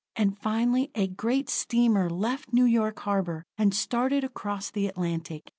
And finally, a great steamer left New York harbor, and started across the Atlantic.